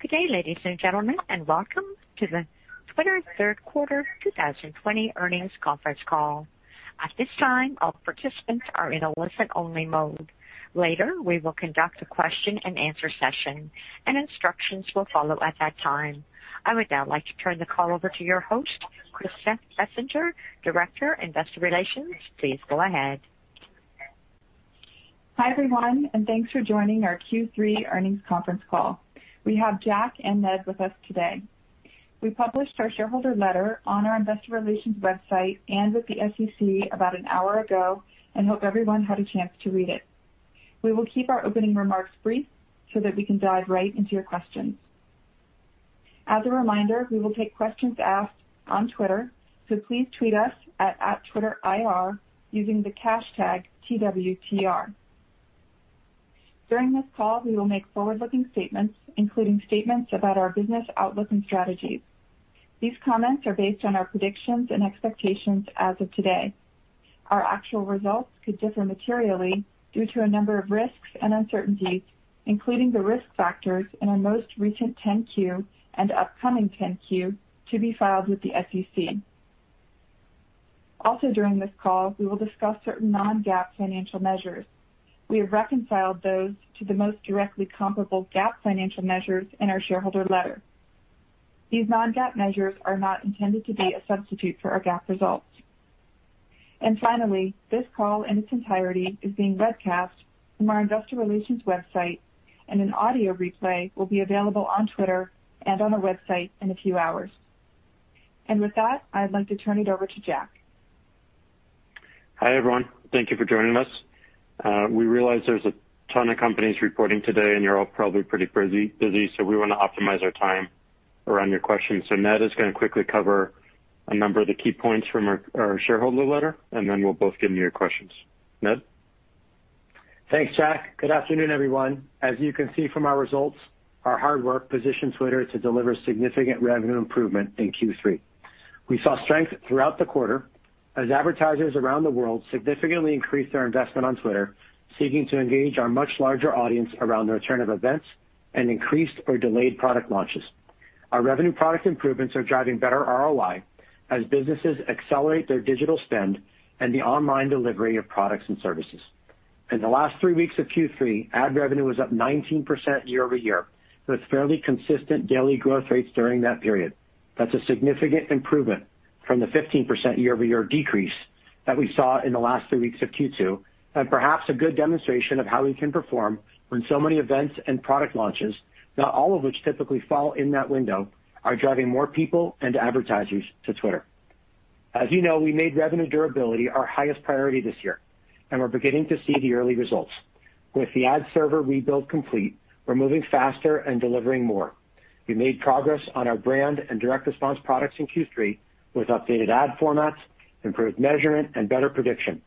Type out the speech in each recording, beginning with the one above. Good day, ladies and gentlemen, and welcome to the Twitter third quarter 2020 earnings conference call. At this time, all participants are in a listen-only mode. Later, we will conduct a question and answer session, and instructions will follow at that time. I would now like to turn the call over to your host, Krista Bessinger, Director, Investor Relations. Please go ahead. Hi, everyone, and thanks for joining our Q3 earnings conference call. We have Jack and Ned with us today. We published our shareholder letter on our investor relations website and with the SEC about an hour ago and hope everyone had a chance to read it. We will keep our opening remarks brief so that we can dive right into your questions. As a reminder, we will take questions asked on Twitter, so please tweet us at @TwitterIR using the hashtag #TWTR. During this call, we will make forward-looking statements, including statements about our business outlook and strategies. These comments are based on our predictions and expectations as of today. Our actual results could differ materially due to a number of risks and uncertainties, including the risk factors in our most recent 10-Q and upcoming 10-Q to be filed with the SEC. Also during this call, we will discuss certain non-GAAP financial measures. We have reconciled those to the most directly comparable GAAP financial measures in our shareholder letter. These non-GAAP measures are not intended to be a substitute for our GAAP results. Finally, this call in its entirety is being webcast from our investor relations website, and an audio replay will be available on Twitter and on the website in a few hours. With that, I'd like to turn it over to Jack. Hi, everyone. Thank you for joining us. We realize there's a ton of companies reporting today, and you're all probably pretty busy, so we want to optimize our time around your questions. Ned is going to quickly cover a number of the key points from our shareholder letter, and then we'll both get into your questions. Ned? Thanks, Jack. Good afternoon, everyone. As you can see from our results, our hard work positioned Twitter to deliver significant revenue improvement in Q3. We saw strength throughout the quarter as advertisers around the world significantly increased their investment on Twitter, seeking to engage our much larger audience around the return of events and increased or delayed product launches. Our revenue product improvements are driving better ROI as businesses accelerate their digital spend and the online delivery of products and services. In the last three weeks of Q3, ad revenue was up 19% year-over-year, with fairly consistent daily growth rates during that period. That's a significant improvement from the 15% year-over-year decrease that we saw in the last three weeks of Q2, and perhaps a good demonstration of how we can perform when so many events and product launches, not all of which typically fall in that window, are driving more people and advertisers to Twitter. As you know, we made revenue durability our highest priority this year, and we're beginning to see the early results. With the ad server rebuild complete, we're moving faster and delivering more. We made progress on our brand and direct response products in Q3 with updated ad formats, improved measurement, and better prediction.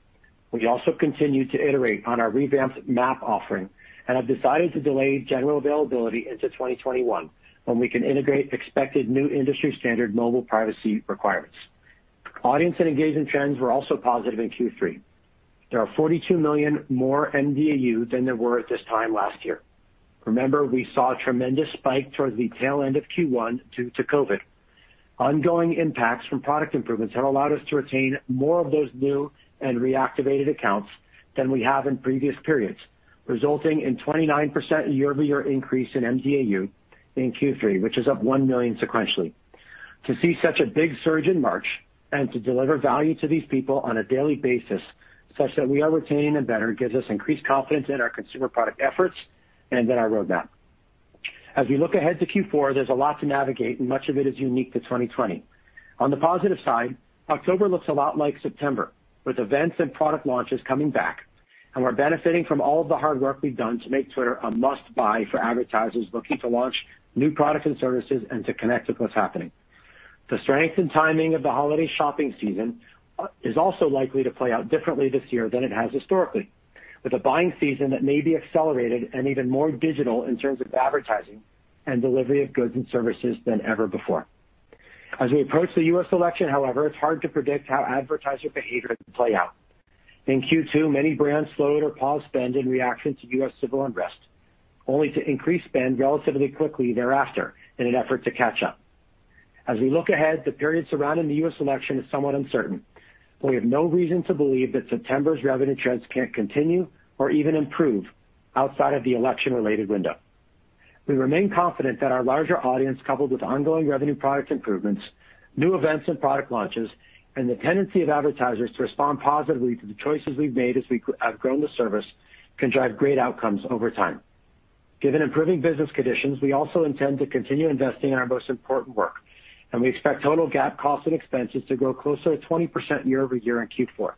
We also continued to iterate on our revamped MAP offering and have decided to delay general availability into 2021 when we can integrate expected new industry-standard mobile privacy requirements. Audience and engagement trends were also positive in Q3. There are 42 million more mDAU than there were at this time last year. Remember, we saw a tremendous spike towards the tail end of Q1 due to COVID. Ongoing impacts from product improvements have allowed us to retain more of those new and reactivated accounts than we have in previous periods, resulting in 29% year-over-year increase in mDAU in Q3, which is up 1 million sequentially. To see such a big surge in March and to deliver value to these people on a daily basis such that we are retaining them better gives us increased confidence in our consumer product efforts and in our roadmap. As we look ahead to Q4, there's a lot to navigate, and much of it is unique to 2020. On the positive side, October looks a lot like September, with events and product launches coming back, we're benefiting from all of the hard work we've done to make Twitter a must-buy for advertisers looking to launch new products and services and to connect with what's happening. The strength and timing of the holiday shopping season is also likely to play out differently this year than it has historically, with a buying season that may be accelerated and even more digital in terms of advertising and delivery of goods and services than ever before. As we approach the U.S. election, however, it's hard to predict how advertiser behavior can play out. In Q2, many brands slowed or paused spend in reaction to U.S. civil unrest, only to increase spend relatively quickly thereafter in an effort to catch up. As we look ahead, the period surrounding the U.S. election is somewhat uncertain, but we have no reason to believe that September's revenue trends can't continue or even improve outside of the election-related window. We remain confident that our larger audience, coupled with ongoing revenue product improvements, new events and product launches, and the tendency of advertisers to respond positively to the choices we've made as we have grown the service, can drive great outcomes over time. Given improving business conditions, we also intend to continue investing in our most important work, we expect total GAAP costs and expenses to grow closer to 20% year-over-year in Q4.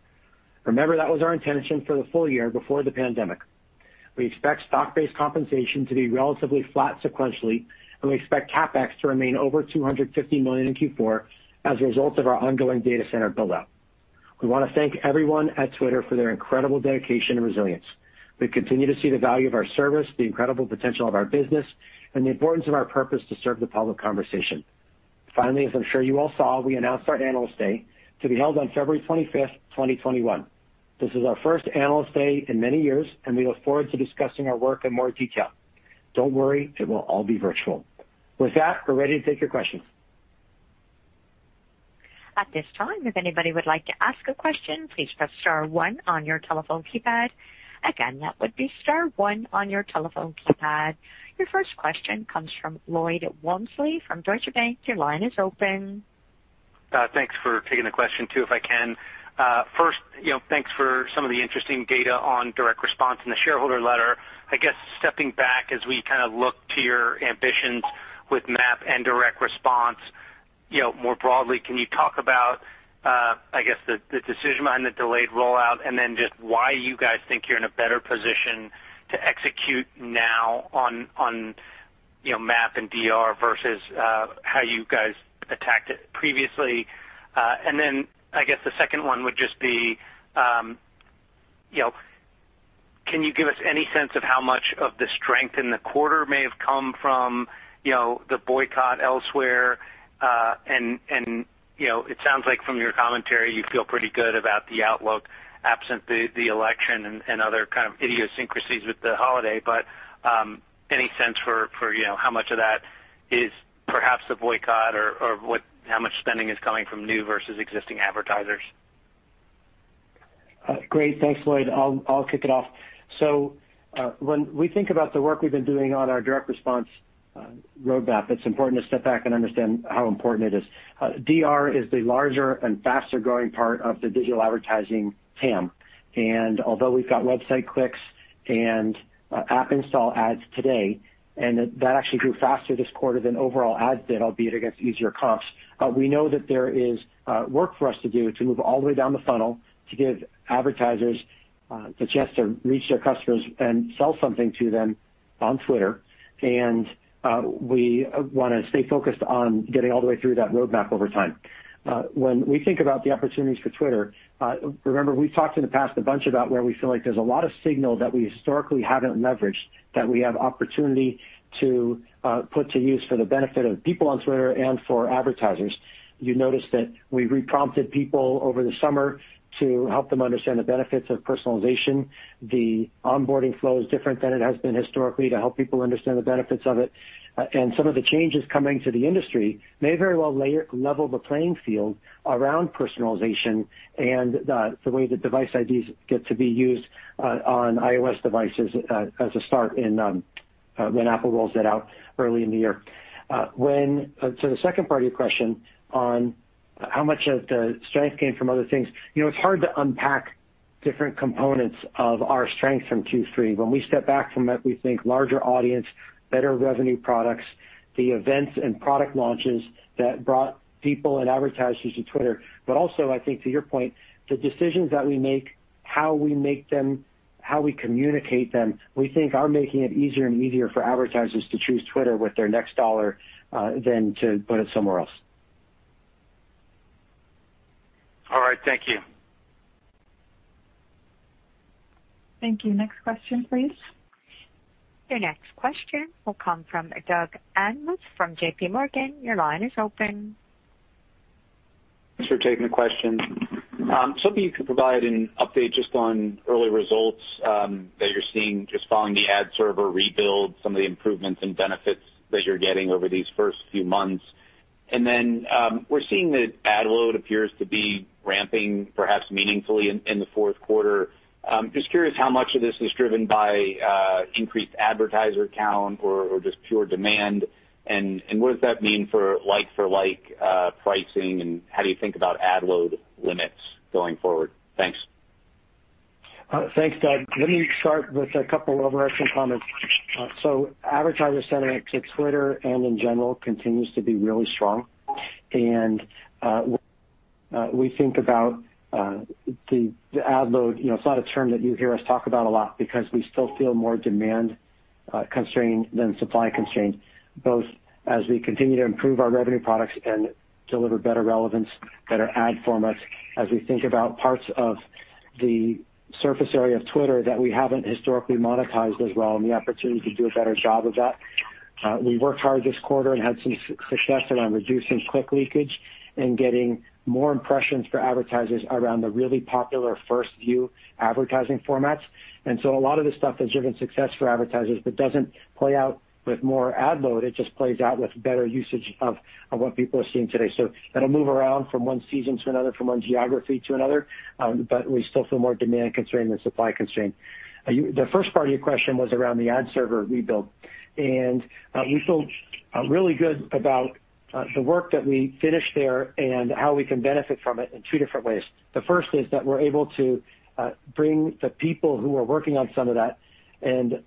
Remember, that was our intention for the full year before the pandemic. We expect stock-based compensation to be relatively flat sequentially, and we expect CapEx to remain over $250 million in Q4 as a result of our ongoing data center build-out. We want to thank everyone at Twitter for their incredible dedication and resilience. We continue to see the value of our service, the incredible potential of our business, and the importance of our purpose to serve the public conversation. Finally, as I'm sure you all saw, we announced our Analyst Day to be held on February 25th, 2021. This is our first Analyst Day in many years, and we look forward to discussing our work in more detail. Don't worry, it will all be virtual. With that, we're ready to take your questions. Your first question comes from Lloyd Walmsley from Deutsche Bank. Your line is open. Thanks for taking the question, too, if I can. Thanks for some of the interesting data on direct response in the shareholder letter. Stepping back as we look to your ambitions with MAP and direct response, more broadly, can you talk about the decision behind the delayed rollout, and then just why you guys think you're in a better position to execute now on MAP and DR versus how you guys attacked it previously? The second one would just be, can you give us any sense of how much of the strength in the quarter may have come from the boycott elsewhere? It sounds like from your commentary, you feel pretty good about the outlook absent the election and other kind of idiosyncrasies with the holiday. Any sense for how much of that is perhaps the boycott or how much spending is coming from new versus existing advertisers? Great. Thanks, Lloyd. I'll kick it off. When we think about the work we've been doing on our direct response roadmap, it's important to step back and understand how important it is. DR is the larger and faster-growing part of the digital advertising TAM. Although we've got website clicks and app install ads today, and that actually grew faster this quarter than overall ads did, albeit against easier comps, we know that there is work for us to do to move all the way down the funnel to give advertisers the chance to reach their customers and sell something to them on Twitter. We want to stay focused on getting all the way through that roadmap over time. When we think about the opportunities for Twitter, remember, we've talked in the past a bunch about where we feel like there's a lot of signal that we historically haven't leveraged, that we have opportunity to put to use for the benefit of people on Twitter and for advertisers. You notice that we reprompted people over the summer to help them understand the benefits of personalization. The onboarding flow is different than it has been historically to help people understand the benefits of it. Some of the changes coming to the industry may very well level the playing field around personalization and the way that device IDs get to be used on iOS devices as a start when Apple rolls that out early in the year. To the second part of your question on how much of the strength came from other things. It's hard to unpack different components of our strength from Q3. When we step back from it, we think larger audience, better revenue products, the events and product launches that brought people and advertisers to Twitter. Also, I think to your point, the decisions that we make, how we make them, how we communicate them, we think are making it easier and easier for advertisers to choose Twitter with their next dollar than to put it somewhere else. All right. Thank you. Thank you. Next question, please. Your next question will come from Doug Anmuth from JPMorgan. Your line is open. Thanks for taking the question. I was hoping you could provide an update just on early results that you're seeing just following the ad server rebuild, some of the improvements and benefits that you're getting over these first few months. Then we're seeing that ad load appears to be ramping perhaps meaningfully in the fourth quarter. Just curious how much of this is driven by increased advertiser count or just pure demand, and what does that mean for like pricing, and how do you think about ad load limits going forward? Thanks. Thanks, Doug. Let me start with a couple of overarching comments. Advertiser sentiment to Twitter and in general continues to be really strong. We think about the ad load. It's not a term that you hear us talk about a lot because we still feel more demand-constrained than supply-constrained, both as we continue to improve our revenue products and deliver better relevance, better ad formats as we think about parts of the surface area of Twitter that we haven't historically monetized as well, and the opportunity to do a better job of that. We worked hard this quarter and had some success around reducing click leakage and getting more impressions for advertisers around the really popular First View advertising formats. A lot of this stuff has driven success for advertisers, but doesn't play out with more ad load. It just plays out with better usage of what people are seeing today. It'll move around from one season to another, from one geography to another. We still feel more demand-constrained than supply-constrained. The first part of your question was around the ad server rebuild, and we feel really good about the work that we finished there and how we can benefit from it in two different ways. The first is that we're able to bring the people who are working on some of that and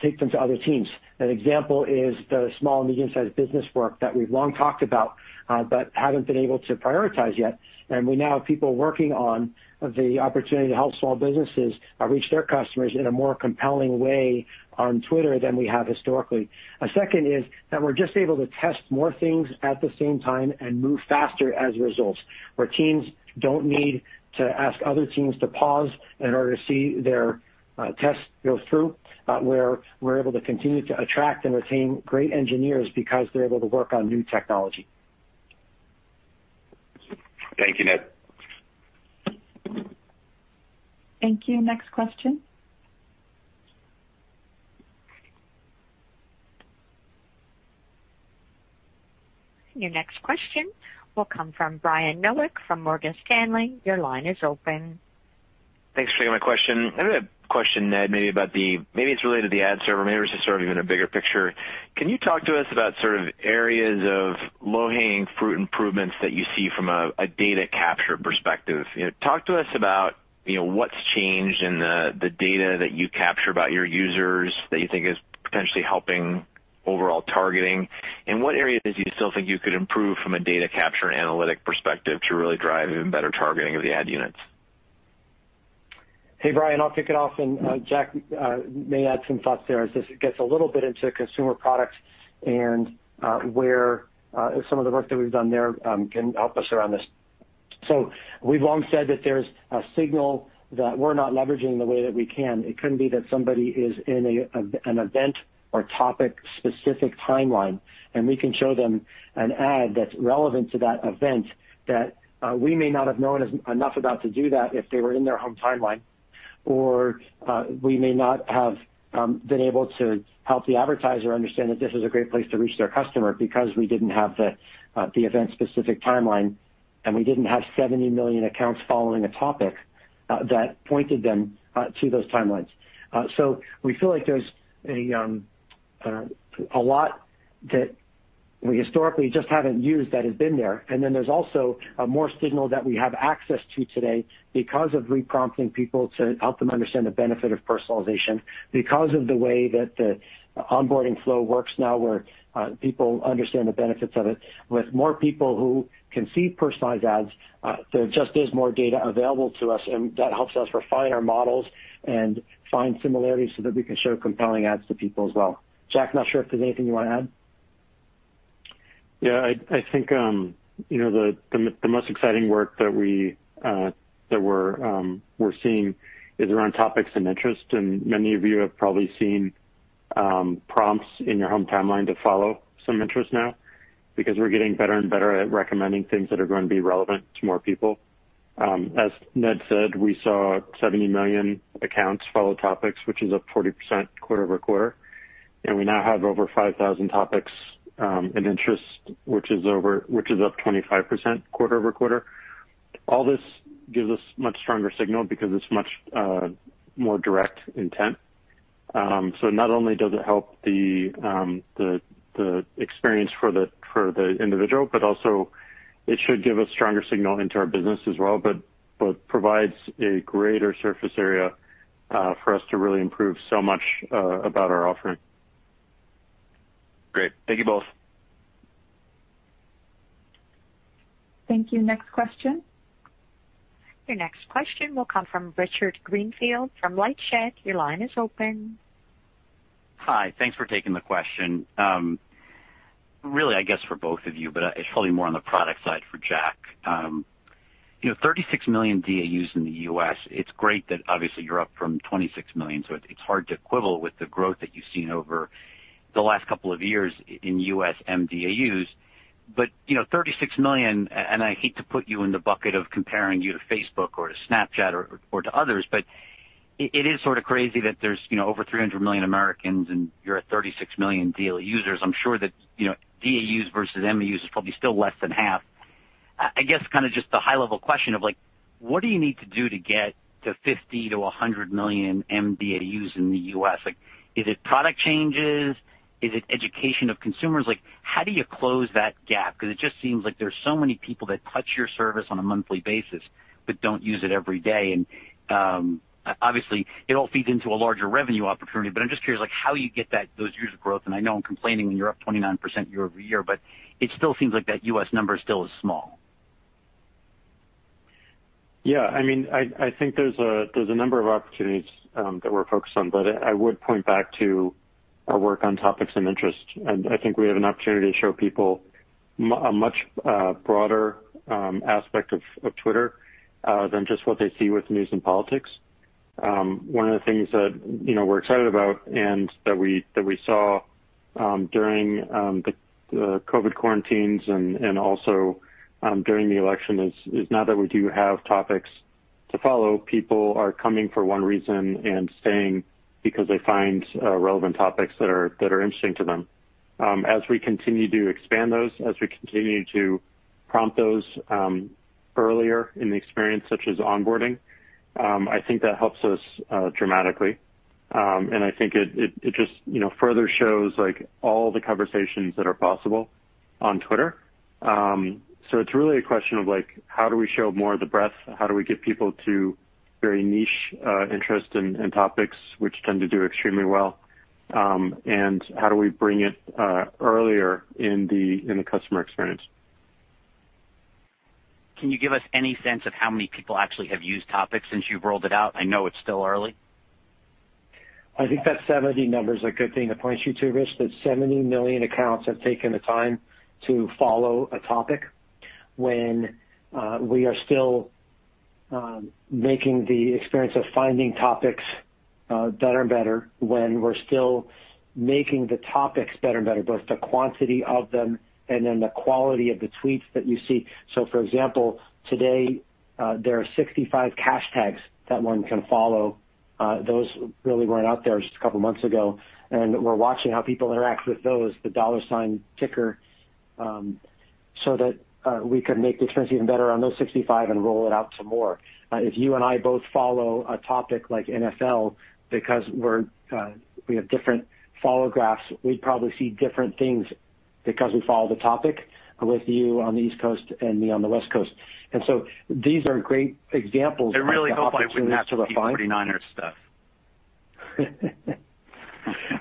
take them to other teams. An example is the small and medium-sized business work that we've long talked about but haven't been able to prioritize yet. We now have people working on the opportunity to help small businesses reach their customers in a more compelling way on Twitter than we have historically. A second is that we're just able to test more things at the same time and move faster as a result, where teams don't need to ask other teams to pause in order to see their tests go through. Where we're able to continue to attract and retain great engineers because they're able to work on new technology. Thank you, Ned. Thank you. Next question. Your next question will come from Brian Nowak from Morgan Stanley. Your line is open. Thanks for taking my question. I have a question, Ned, maybe it's related to the ad server, maybe it's just sort of even a bigger picture. Can you talk to us about areas of low-hanging fruit improvements that you see from a data capture perspective? Talk to us about what's changed in the data that you capture about your users that you think is potentially helping overall targeting. In what areas do you still think you could improve from a data capture and analytic perspective to really drive even better targeting of the ad units? Hey, Brian, I'll kick it off, and Jack may add some thoughts there as this gets a little bit into consumer products and where some of the work that we've done there can help us around this. We've long said that there's a signal that we're not leveraging the way that we can. It couldn't be that somebody is in an event or topic-specific timeline, and we can show them an ad that's relevant to that event that we may not have known enough about to do that if they were in their home timeline. We may not have been able to help the advertiser understand that this is a great place to reach their customer because we didn't have the event-specific timeline, and we didn't have 70 million accounts following a topic that pointed them to those timelines. We feel like there's a lot that we historically just haven't used that has been there. There's also more signal that we have access to today because of re-prompting people to help them understand the benefit of personalization, because of the way that the onboarding flow works now, where people understand the benefits of it. With more people who can see personalized ads, there just is more data available to us, and that helps us refine our models and find similarities so that we can show compelling ads to people as well. Jack, not sure if there's anything you want to add? Yeah, I think the most exciting work that we're seeing is around topics and interest. Many of you have probably seen prompts in your home timeline to follow some interest now because we're getting better and better at recommending things that are going to be relevant to more people. As Ned said, we saw 70 million accounts follow topics, which is up 40% quarter-over-quarter. We now have over 5,000 topics and interest, which is up 25% quarter-over-quarter. All this gives us much stronger signal because it's much more direct intent. Not only does it help the experience for the individual, but also it should give a stronger signal into our business as well, but provides a greater surface area for us to really improve so much about our offering. Great. Thank you both. Thank you. Next question. Your next question will come from Richard Greenfield from LightShed. Your line is open. Hi. Thanks for taking the question. I guess for both of you, but it's probably more on the product side for Jack. 36 million mDAUs in the U.S., it's great that obviously you're up from 26 million, it's hard to quibble with the growth that you've seen over the last couple of years in U.S. mDAUs. 36 million, I hate to put you in the bucket of comparing you to Facebook or to Snapchat or to others, it is sort of crazy that there's over 300 million Americans and you're at 36 million daily users. I'm sure that mDAUs versus MAUs is probably still less than half. I guess kind of just the high-level question of what do you need to do to get to 50 million to 100 million mDAUs in the U.S.? Is it product changes? Is it education of consumers? How do you close that gap? It just seems like there's so many people that touch your service on a monthly basis but don't use it every day. Obviously, it all feeds into a larger revenue opportunity, but I'm just curious how you get those user growth. I know I'm complaining when you're up 29% year-over-year, but it still seems like that U.S. number still is small. Yeah, I think there's a number of opportunities that we're focused on, but I would point back to our work on topics and interest, and I think we have an opportunity to show people a much broader aspect of Twitter than just what they see with news and politics. One of the things that we're excited about and that we saw during the COVID quarantines and also during the election is now that we do have topics to follow, people are coming for one reason and staying because they find relevant topics that are interesting to them. As we continue to expand those, as we continue to prompt those earlier in the experience, such as onboarding, I think that helps us dramatically. I think it just further shows all the conversations that are possible on Twitter. It's really a question of how do we show more of the breadth? How do we get people to very niche interests and topics which tend to do extremely well? How do we bring it earlier in the customer experience? Can you give us any sense of how many people actually have used topics since you've rolled it out? I know it's still early. I think that 70 number is a good thing to point you to, Richard, that 70 million accounts have taken the time to follow a topic when we are still making the experience of finding topics better and better when we're still making the topics better and better, both the quantity of them and then the quality of the tweets that you see. For example, today, there are 65 hashtags that one can follow. Those really weren't out there just a couple of months ago, and we're watching how people interact with those, the dollar sign ticker, so that we can make the experience even better on those 65 and roll it out to more. If you and I both follow a topic like NFL because we have different follow graphs, we'd probably see different things because we follow the topic with you on the East Coast and me on the West Coast. These are great examples of opportunities to. I really hope I wouldn't have to see 49ers stuff.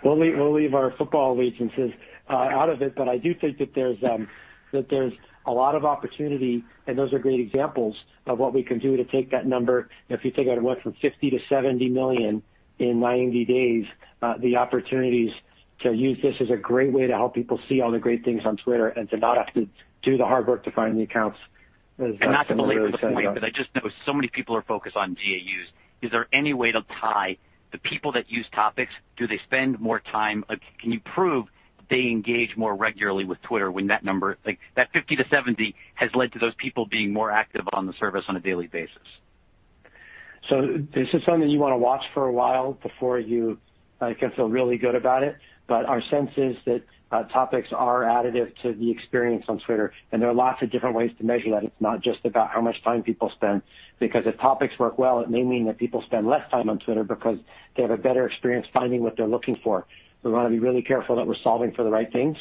We'll leave our football allegiances out of it, but I do think that there's a lot of opportunity, and those are great examples of what we can do to take that number. If you think about it went from 50 to 70 million in 90 days, the opportunities to use this is a great way to help people see all the great things on Twitter and to not have to do the hard work to find the accounts is something we're really excited about. Not to belabor the point, but I just know so many people are focused on DAUs. Is there any way to tie the people that use topics, do they spend more time? Can you prove they engage more regularly with Twitter when that number, like that 50-70, has led to those people being more active on the service on a daily basis? This is something you want to watch for a while before you can feel really good about it. Our sense is that topics are additive to the experience on Twitter, and there are lots of different ways to measure that. It's not just about how much time people spend because if topics work well, it may mean that people spend less time on Twitter because they have a better experience finding what they're looking for. We want to be really careful that we're solving for the right things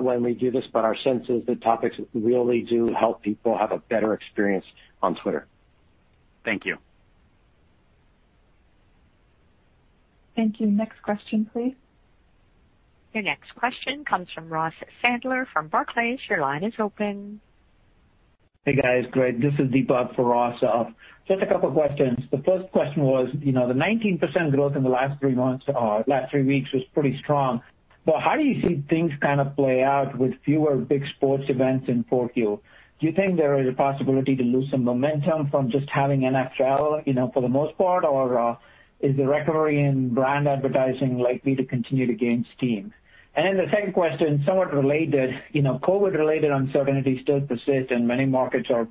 when we do this, our sense is that topics really do help people have a better experience on Twitter. Thank you. Thank you. Next question, please. Your next question comes from Ross Sandler from Barclays. Your line is open. Hey, guys. Great. This is Deepak for Ross. Just a couple of questions. The first question was, the 19% growth in the last three weeks was pretty strong. How do you see things play out with fewer big sports events in 4Q? Do you think there is a possibility to lose some momentum from just having NFL for the most part, or is the recovery in brand advertising likely to continue to gain steam? The second question, somewhat related. COVID-related uncertainty still persists and many markets are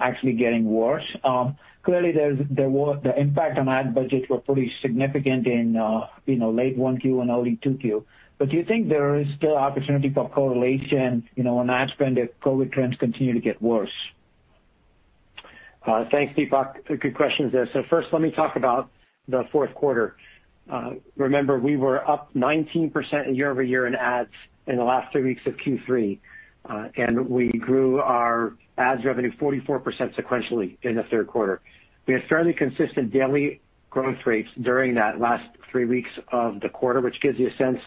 actually getting worse. Clearly, the impact on ad budgets were pretty significant in late 1Q and early 2Q. Do you think there is still opportunity for correlation on ad spend if COVID trends continue to get worse? Thanks, Deepak. Good questions there. First, let me talk about the fourth quarter. Remember, we were up 19% year-over-year in ads in the last three weeks of Q3. We grew our ads revenue 44% sequentially in the third quarter. We had fairly consistent daily growth rates during that last three weeks of the quarter, which gives you a sense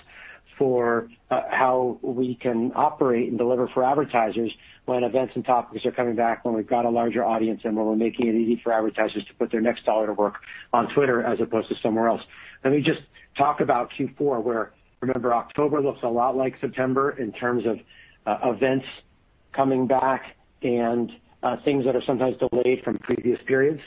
for how we can operate and deliver for advertisers when events and topics are coming back, when we've got a larger audience, and when we're making it easy for advertisers to put their next dollar to work on Twitter as opposed to somewhere else. Let me just talk about Q4, where, remember, October looks a lot like September in terms of events coming back and things that are sometimes delayed from previous periods.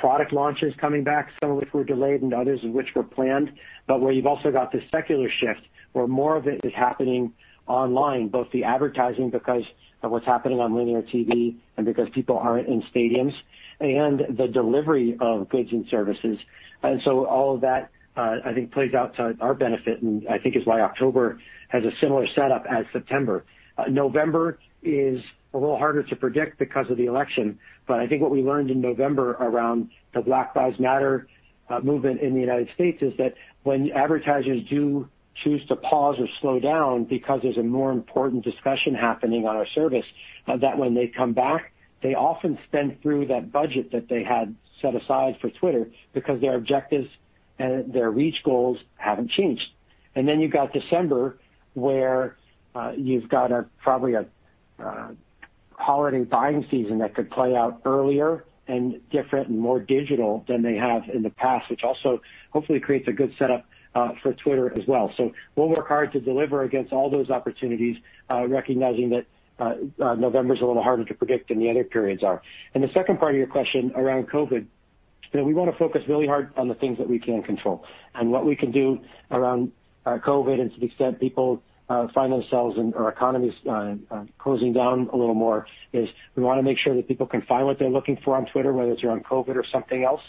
Product launches coming back, some of which were delayed and others of which were planned, where you've also got this secular shift where more of it is happening online, both the advertising because of what's happening on linear TV and because people aren't in stadiums, and the delivery of goods and services. All of that I think plays out to our benefit and I think is why October has a similar setup as September. November is a little harder to predict because of the election, but I think what we learned in November around the Black Lives Matter movement in the United States is that when advertisers do choose to pause or slow down because there's a more important discussion happening on our service, that when they come back, they often spend through that budget that they had set aside for Twitter because their objectives and their reach goals haven't changed. You've got December, where you've got probably a holiday buying season that could play out earlier and different and more digital than they have in the past, which also hopefully creates a good setup for Twitter as well. We'll work hard to deliver against all those opportunities, recognizing that November is a little harder to predict than the other periods are. The second part of your question around COVID, we want to focus really hard on the things that we can control. What we can do around COVID and to the extent people find themselves and our economy is closing down a little more, is we want to make sure that people can find what they're looking for on Twitter, whether it's around COVID or something else.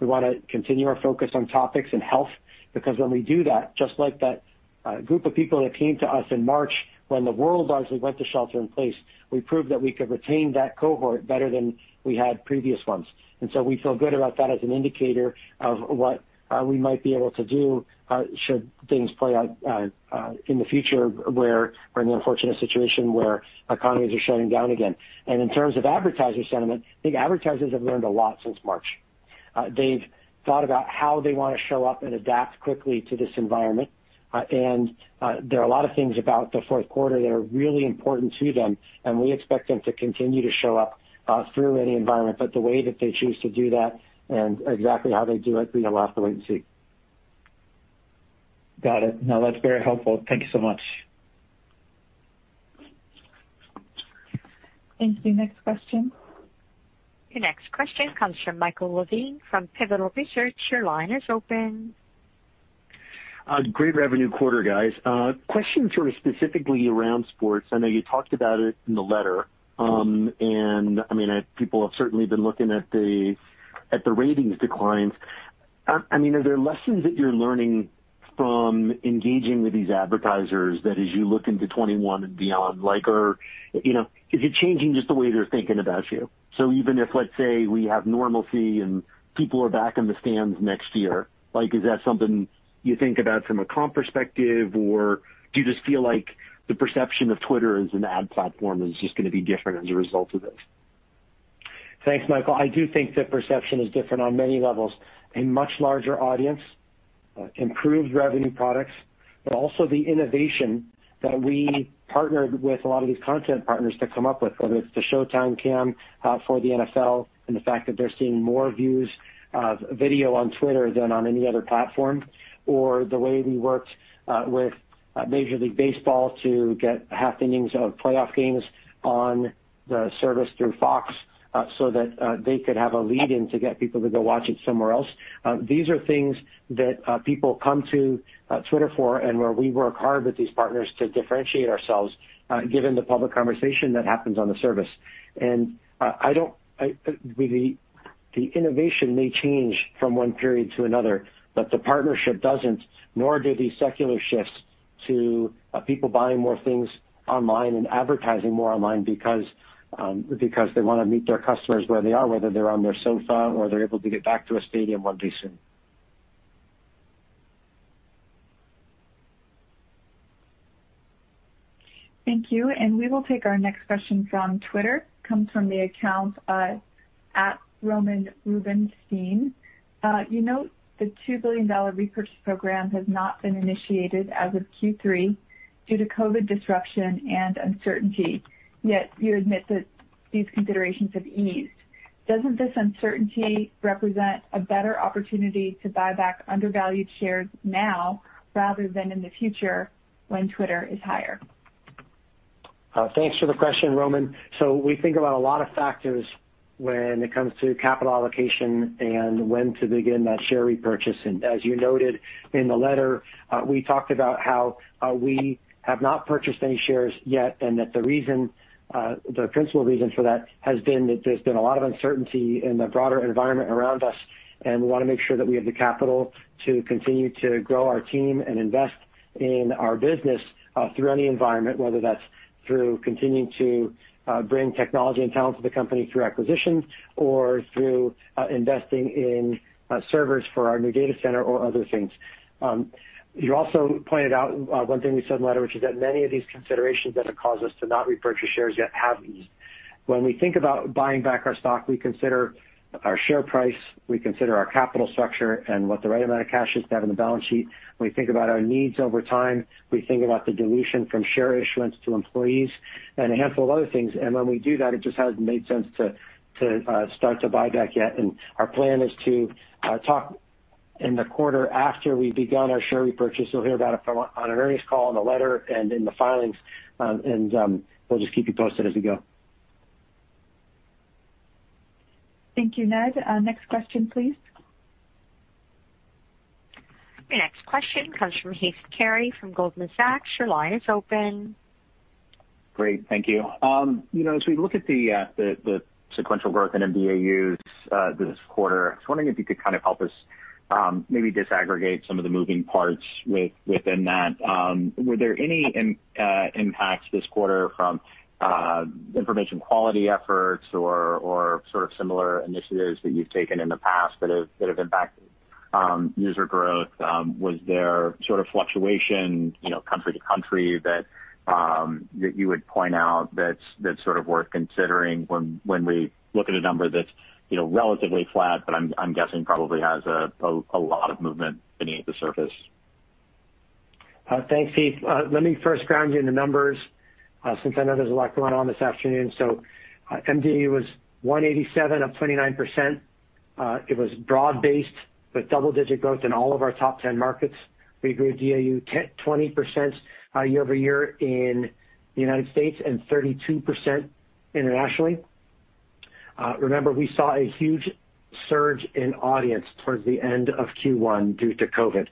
We want to continue our focus on topics and health because when we do that, just like that group of people that came to us in March when the world largely went to shelter in place, we proved that we could retain that cohort better than we had previous ones. We feel good about that as an indicator of what we might be able to do should things play out in the future where we're in the unfortunate situation where economies are shutting down again. In terms of advertiser sentiment, I think advertisers have learned a lot since March. They've thought about how they want to show up and adapt quickly to this environment, and there are a lot of things about the fourth quarter that are really important to them, and we expect them to continue to show up through any environment. The way that they choose to do that and exactly how they do it, we allow to wait and see. Got it. That's very helpful. Thank you so much. Thank you. Next question. Your next question comes from Michael Levine from Pivotal Research. Your line is open. Great revenue quarter, guys. Question specifically around sports. I know you talked about it in the letter. People have certainly been looking at the ratings declines. Are there lessons that you're learning from engaging with these advertisers that as you look into 2021 and beyond, is it changing just the way they're thinking about you? Even if, let's say, we have normalcy and people are back in the stands next year, is that something you think about from a comp perspective, or do you just feel like the perception of Twitter as an ad platform is just going to be different as a result of this? Thanks, Michael. I do think that perception is different on many levels. A much larger audience, improved revenue products, but also the innovation that we partnered with a lot of these content partners to come up with, whether it's the Showtime Cam for the NFL and the fact that they're seeing more views of video on Twitter than on any other platform, or the way we worked with Major League Baseball to get half innings of playoff games on the service through Fox so that they could have a lead-in to get people to go watch it somewhere else. These are things that people come to Twitter for and where we work hard with these partners to differentiate ourselves given the public conversation that happens on the service. The innovation may change from one period to another, but the partnership doesn't, nor do these secular shifts to people buying more things online and advertising more online because they want to meet their customers where they are, whether they're on their sofa or they're able to get back to a stadium one day soon. Thank you. We will take our next question from Twitter. Comes from the account, @RomanRubenstein. You note the $2 billion repurchase program has not been initiated as of Q3 due to COVID disruption and uncertainty, yet you admit that these considerations have eased. Doesn't this uncertainty represent a better opportunity to buy back undervalued shares now rather than in the future when Twitter is higher? Thanks for the question, Roman. We think about a lot of factors when it comes to capital allocation and when to begin that share repurchase. As you noted in the letter, we talked about how we have not purchased any shares yet, and that the principal reason for that has been that there's been a lot of uncertainty in the broader environment around us, and we want to make sure that we have the capital to continue to grow our team and invest in our business through any environment, whether that's through continuing to bring technology and talent to the company through acquisitions or through investing in servers for our new data center or other things. You also pointed out one thing we said in the letter, which is that many of these considerations that have caused us to not repurchase shares yet have eased. When we think about buying back our stock, we consider our share price, we consider our capital structure and what the right amount of cash is to have in the balance sheet. We think about our needs over time. We think about the dilution from share issuance to employees and a handful of other things. When we do that, it just hasn't made sense to start to buy back yet. Our plan is to talk in the quarter after we've begun our share repurchase. You'll hear about it on an earnings call, in the letter, and in the filings. We'll just keep you posted as we go. Thank you, Ned. Next question, please. Your next question comes from Heath Terry from Goldman Sachs. Your line is open. Great. Thank you. As we look at the sequential growth in mDAUs this quarter, I was wondering if you could help us maybe disaggregate some of the moving parts within that? Were there any impacts this quarter from information quality efforts or similar initiatives that you've taken in the past that have impacted user growth? Was there fluctuation country to country that you would point out that's worth considering when we look at a number that's relatively flat, but I'm guessing probably has a lot of movement beneath the surface? Thanks, Heath. Let me first ground you in the numbers since I know there's a lot going on this afternoon. MDAU was 187, up 29%. It was broad-based with double-digit growth in all of our top 10 markets. We grew DAU 20% year-over-year in the United States and 32% internationally. Remember, we saw a huge surge in audience towards the end of Q1 due to COVID.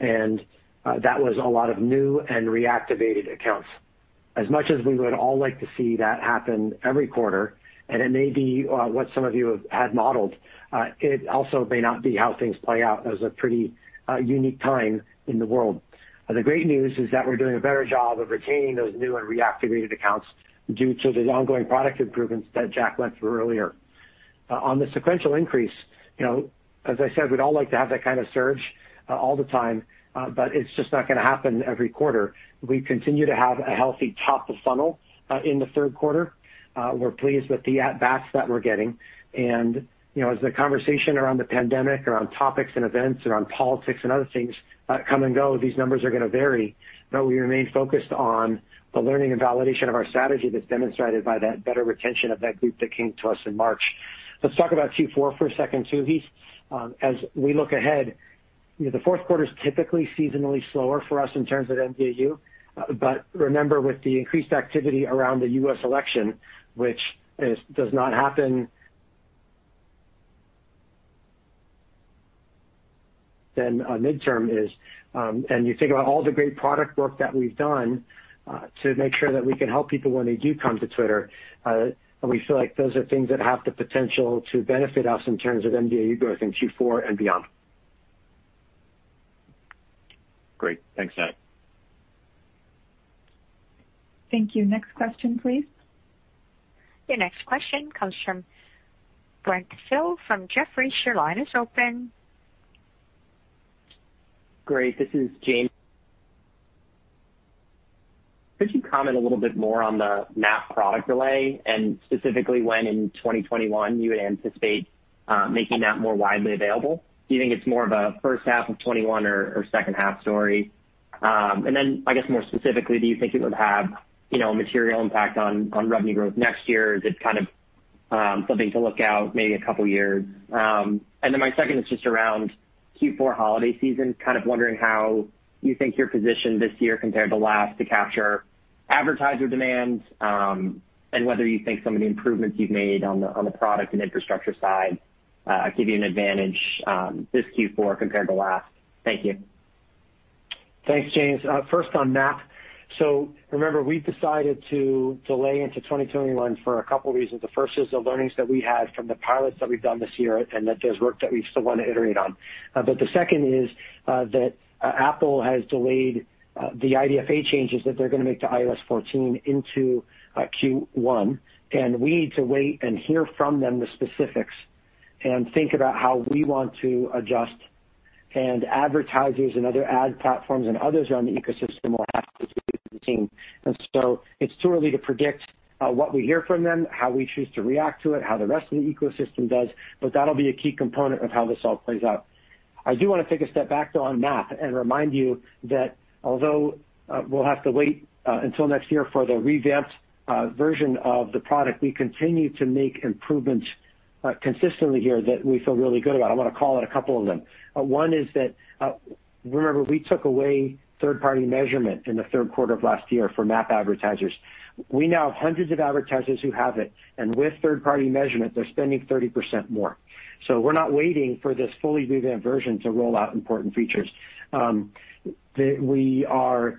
That was a lot of new and reactivated accounts. As much as we would all like to see that happen every quarter, it may be what some of you had modeled, it also may not be how things play out. That was a pretty unique time in the world. The great news is that we're doing a better job of retaining those new and reactivated accounts due to the ongoing product improvements that Jack went through earlier. On the sequential increase, as I said, we'd all like to have that kind of surge all the time, but it's just not going to happen every quarter. We continue to have a healthy top of funnel in the third quarter. We're pleased with the at bats that we're getting. As the conversation around the pandemic, around topics and events, around politics and other things come and go, these numbers are going to vary, but we remain focused on the learning and validation of our strategy that's demonstrated by that better retention of that group that came to us in March. Let's talk about Q4 for a second, Suvi. As we look ahead, the fourth quarter's typically seasonally slower for us in terms of mDAU, but remember, with the increased activity around the U.S. election. You think about all the great product work that we've done, to make sure that we can help people when they do come to Twitter. We feel like those are things that have the potential to benefit us in terms of mDAU growth in Q4 and beyond. Great. Thanks, Ned. Thank you. Next question, please. Your next question comes from Brent Thill from Jefferies. Your line is open. Great. This is James. Could you comment a little bit more on the MAP product delay and specifically when in 2021 you would anticipate making that more widely available? Do you think it's more of a first half of 2021 or second half story? I guess more specifically, do you think it would have a material impact on revenue growth next year? Is it something to look out maybe a couple years? My second is just around Q4 holiday season. Wondering how you think you're positioned this year compared to last to capture advertiser demands, and whether you think some of the improvements you've made on the product and infrastructure side give you an advantage this Q4 compared to last. Thank you. Thanks, James. First on MAP. Remember, we decided to delay into 2021 for a couple reasons. The first is the learnings that we had from the pilots that we've done this year and that there's work that we still want to iterate on. The second is that Apple has delayed the IDFA changes that they're going to make to iOS 14 into Q1, and we need to wait and hear from them the specifics and think about how we want to adjust. Advertisers and other ad platforms and others around the ecosystem will have to wait and see. It's too early to predict what we hear from them, how we choose to react to it, how the rest of the ecosystem does, but that'll be a key component of how this all plays out. I do want to take a step back, though, on MAP and remind you that although we'll have to wait until next year for the revamped version of the product, we continue to make improvements consistently here that we feel really good about. I want to call out a couple of them. One is that, remember, we took away third-party measurement in the third quarter of last year for MAP advertisers. We now have hundreds of advertisers who have it, and with third-party measurement, they're spending 30% more. We're not waiting for this fully revamped version to roll out important features. We are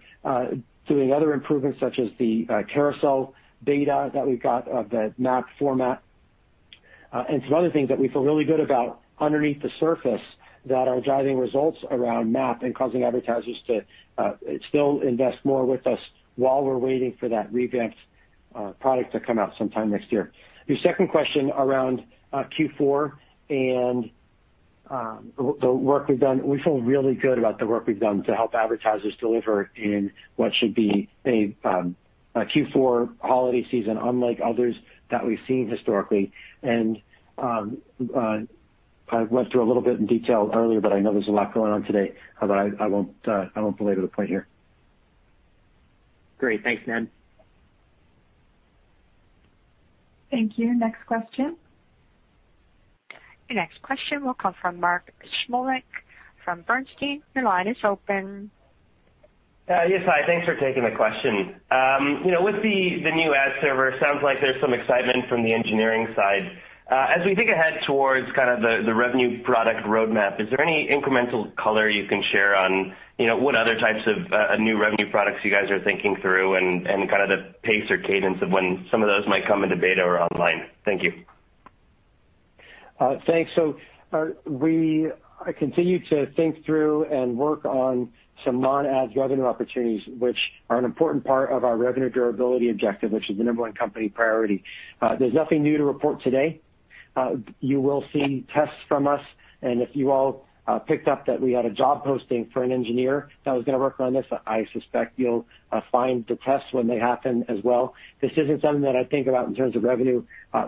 doing other improvements such as the carousel data that we've got of the MAP format, and some other things that we feel really good about underneath the surface that are driving results around MAP and causing advertisers to still invest more with us while we're waiting for that revamped product to come out sometime next year. Your second question around Q4 and the work we've done. We feel really good about the work we've done to help advertisers deliver in what should be a Q4 holiday season unlike others that we've seen historically. I went through a little bit in detail earlier, but I know there's a lot going on today, but I won't belabor the point here. Great. Thanks, Ned. Thank you. Next question. Your next question will come from Mark Shmulik from Bernstein. Your line is open. Yes. Hi. Thanks for taking the question. With the new ad server, sounds like there's some excitement from the engineering side. As we think ahead towards the revenue product roadmap, is there any incremental color you can share on what other types of new revenue products you guys are thinking through and the pace or cadence of when some of those might come into beta or online? Thank you. Thanks. We continue to think through and work on some non-ads revenue opportunities, which are an important part of our revenue durability objective, which is the number one company priority. There's nothing new to report today. You will see tests from us, and if you all picked up that we had a job posting for an engineer that was going to work on this, I suspect you'll find the tests when they happen as well. This isn't something that I think about in terms of revenue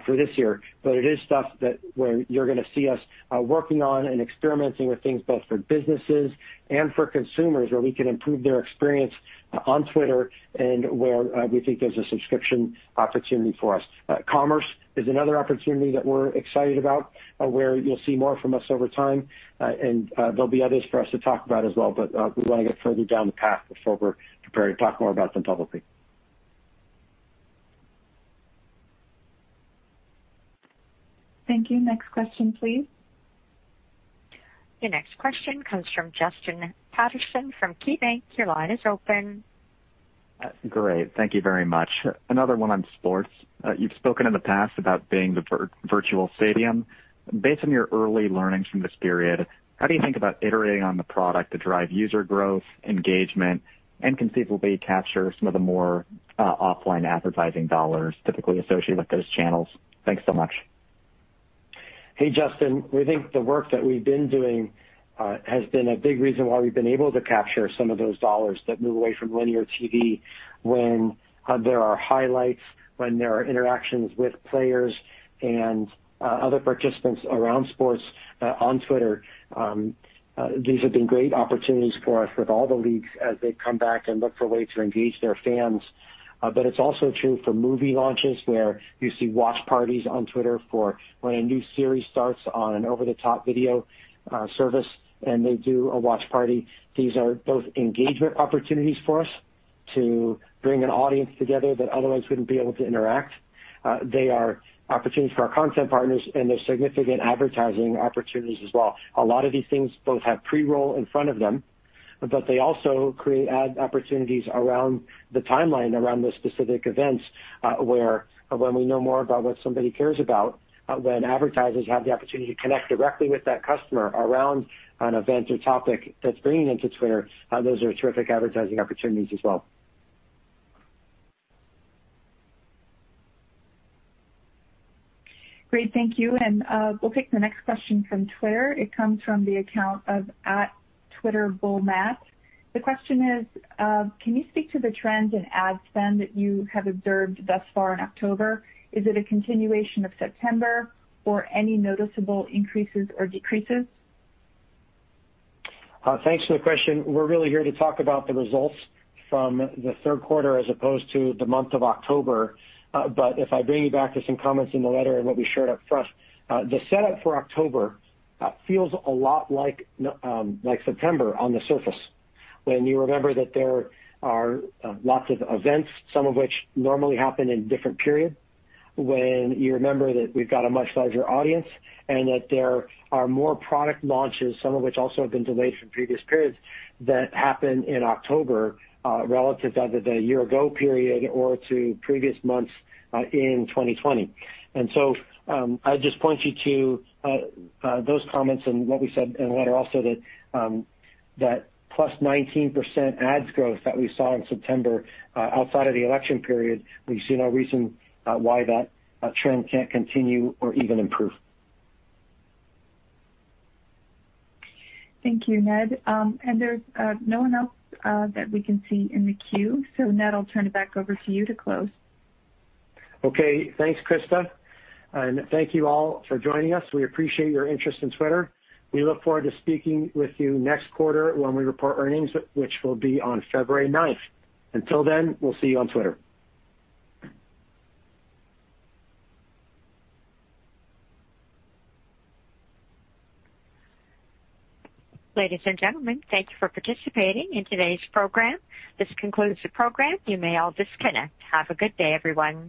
for this year, but it is stuff where you're going to see us working on and experimenting with things both for businesses and for consumers where we can improve their experience on Twitter and where we think there's a subscription opportunity for us. Commerce is another opportunity that we're excited about, where you'll see more from us over time. There'll be others for us to talk about as well, but we want to get further down the path before we're prepared to talk more about them publicly. Thank you. Next question please. Your next question comes from Justin Patterson from KeyBanc. Your line is open. Great. Thank you very much. Another one on sports. You've spoken in the past about being the virtual stadium. Based on your early learnings from this period, how do you think about iterating on the product to drive user growth, engagement, and conceivably capture some of the more offline advertising dollars typically associated with those channels? Thanks so much. Hey, Justin. We think the work that we've been doing has been a big reason why we've been able to capture some of those dollars that move away from linear TV when there are highlights, when there are interactions with players and other participants around sports on Twitter. These have been great opportunities for us with all the leagues as they come back and look for ways to engage their fans. It's also true for movie launches where you see watch parties on Twitter for when a new series starts on an over-the-top video service and they do a watch party. These are both engagement opportunities for us to bring an audience together that otherwise wouldn't be able to interact. They are opportunities for our content partners, and they're significant advertising opportunities as well. A lot of these things both have pre-roll in front of them, they also create ad opportunities around the timeline, around the specific events, where when we know more about what somebody cares about, when advertisers have the opportunity to connect directly with that customer around an event or topic that's bringing them to Twitter, those are terrific advertising opportunities as well. Great. Thank you. We'll take the next question from Twitter. It comes from the account of @TwitterBullMatt. The question is: Can you speak to the trends in ad spend that you have observed thus far in October? Is it a continuation of September or any noticeable increases or decreases? Thanks for the question. We're really here to talk about the results from the third quarter as opposed to the month of October. If I bring you back to some comments in the letter and what we shared up front, the setup for October feels a lot like September on the surface. When you remember that there are lots of events, some of which normally happen in a different period. When you remember that we've got a much larger audience and that there are more product launches, some of which also have been delayed from previous periods, that happen in October relative to either the year-ago period or to previous months in 2020. I would just point you to those comments and what we said in the letter also that, plus 19% ads growth that we saw in September, outside of the election period, we see no reason why that trend can't continue or even improve. Thank you, Ned. There's no one else that we can see in the queue. Ned, I'll turn it back over to you to close. Okay. Thanks, Krista. Thank you all for joining us. We appreciate your interest in Twitter. We look forward to speaking with you next quarter when we report earnings, which will be on February 9th. Until then, we'll see you on Twitter. Ladies and gentlemen, thank you for participating in today's program. This concludes the program. You may all disconnect. Have a good day, everyone.